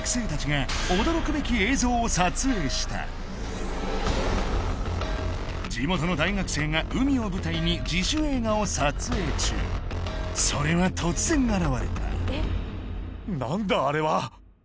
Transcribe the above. ここで地元の大学生が海を舞台に自主映画を撮影中それは突然現れた何だあれは！？